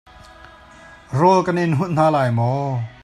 Rawl kan in hunh hna lai maw.